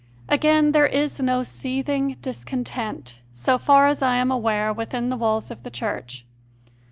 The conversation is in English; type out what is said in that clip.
Again, there is no "seething discontent," so far as I am aware, within the walls of the Church.